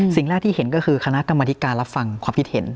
สิ่งแรกที่เห็นก็คือคณะกรรมธิการรับฟังความคิดเห็น